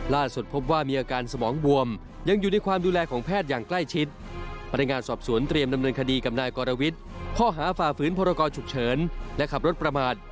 ล่านสุดพบว่ามีอาการสมองบวมยังอยู่ในความดูแลของแครกแรกใกล้ชิด